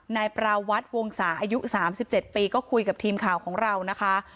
นายประวัติวงศาอายุ๓๗ปีก็คุยกับทีมข่าวของเรานะคะ